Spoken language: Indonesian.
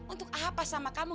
untuk apa sama kamu